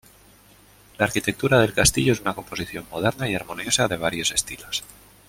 La arquitectura del castillo es una composición moderna y armoniosa de varios estilos.